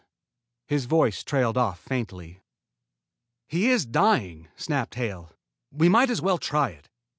His voice trailed off faintly. "He is dying," snapped Hale. "We might as well try it."